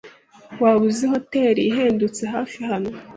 Waba uzi hoteri ihendutse hafi hano?